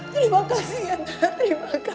terima kasih ya tuhan